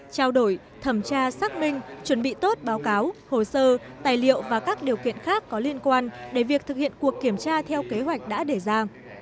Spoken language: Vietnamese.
trao đổi thẩm tra xác minh chuẩn bị tốt báo cáo hồ sơ tài liệu và các điều kiện khác có liên quan để việc thực hiện cuộc kiểm tra theo kế hoạch đã đề ra